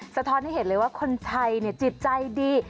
สะท้อนให้เห็นเลยว่าคนไทยจิตใจดี